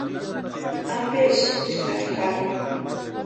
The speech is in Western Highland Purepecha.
¿Ampeeski chkari japu?